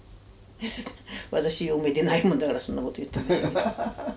私嫁でないもんだからそんなこと言って。